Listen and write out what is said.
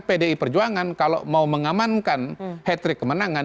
pdi perjuangan kalau mau mengamankan hetrik kemenangan